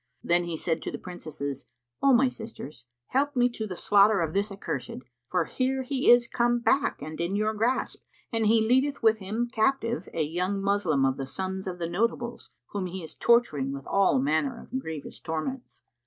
Then he said to the Princesses, "O my sisters, help me to the slaughter of this accursed, for here he is come back and in your grasp, and he leadeth with him captive a young Moslem of the sons of the notables, whom he is torturing with all manner grievous torments.